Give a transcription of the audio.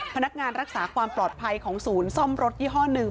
พนักงานรักษาความปลอดภัยของศูนย์ซ่อมรถยี่ห้อหนึ่ง